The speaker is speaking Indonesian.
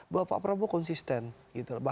bahwa pak prabowo konsisten gitu loh